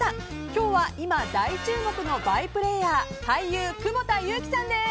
今日は今、大注目のバイプレーヤー俳優・久保田悠来さんです。